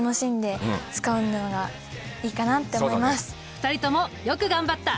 ２人ともよく頑張った。